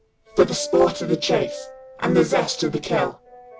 For the sport of the chase and the zest of the kill!